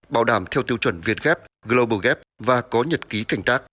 bảo đảm theo tiêu chuẩn việt ghép global gap và có nhật ký cảnh tác